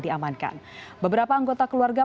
diamankan beberapa anggota keluarga